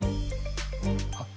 あっ。